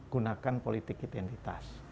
gunakan politik identitas